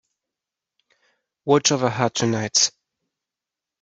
Watch over her tonight.